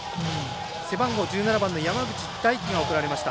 背番号１７番山口大輝が送られました。